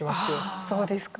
ああそうですか。